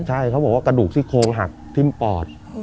ใช่เขาบอกว่ากระดูกซี่โครงหักทิ้มปอด